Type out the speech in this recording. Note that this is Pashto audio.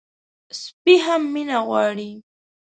سپي هم مینه غواړي.